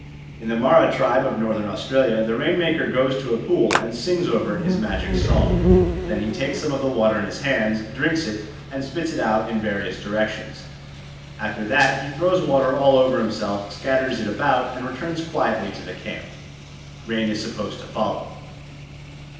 In the Mara tribe of Northern Australia the rain maker goes to a pool and sings over it his magic song. Then he takes some of the water in his hands, drinks it, and spits it out in various directions. After that he throws water all over himself, scatters it about, and returns quietly to the camp. Rain is supposed to follow.